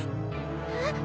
えっ？